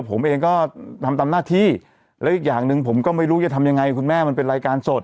ผมเองก็ทำตามหน้าที่แล้วอีกอย่างหนึ่งผมก็ไม่รู้จะทำยังไงคุณแม่มันเป็นรายการสด